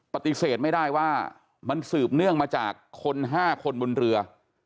ปฏิเสธไม่ได้ว่ามันสืบเนื่องมาจากคน๕คนบนเรือ